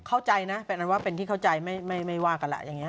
เข้าใจนะแปลว่าเป็นที่เข้าใจไม่ไม่ไม่ว่ากันแหละอย่างเงี้ย